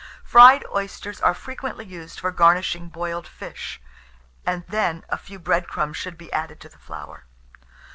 Fried oysters are frequently used for garnishing boiled fish, and then a few bread crumbs should be added to the flour.